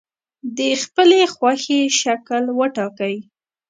د خپلې خوښې شکل وټاکئ.